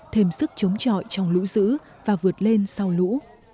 thêm sức chống trọi trong lũ dữ và vượt lên sau lũ